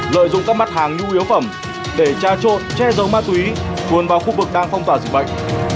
lợi dụng các mặt hàng nhu yếu phẩm để tra trộn che giấu ma túy luồn vào khu vực đang phong tỏa dịch bệnh